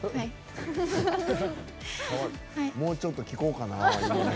もうちょっと聞こうかな。